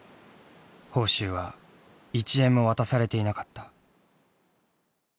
報酬は１円も渡されていなかった。